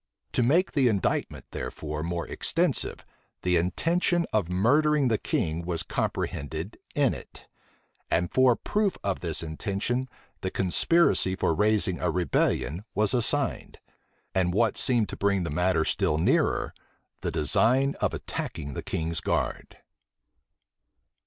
To make the indictment, therefore, more extensive, the intention of murdering the king was comprehended in it; and for proof of this intention the conspiracy for raising a rebellion was assigned; and, what seemed to bring the matter still nearer, the design of attacking the king's guards.